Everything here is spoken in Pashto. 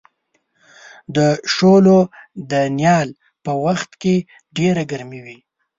د شولو د نیال په وخت کې ډېره ګرمي وي.